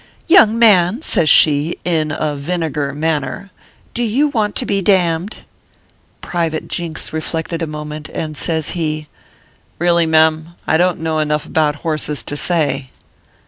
" Young man/ says she, in a vinegar manner, " do you want to be damned ?" Private Jinks reflected a moment, and says he :" Keally, mem, I don t know enough about horses to say."